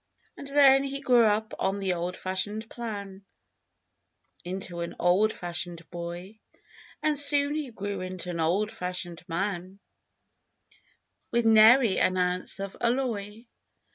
And then he grew up on the old fashioned plan, Into an old fashioned boy, And soon he grew into an old fashioned man, With nary an ounce of alloy.